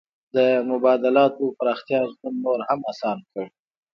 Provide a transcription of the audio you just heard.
د مبادلاتو پراختیا ژوند نور هم اسانه کړ.